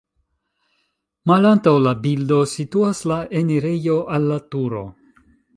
Malantaŭ la bildo situas la enirejo al la turo.